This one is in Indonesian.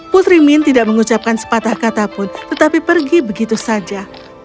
putri min tidak mengucapkan sepatah kata pun tetapi pergi begitu saja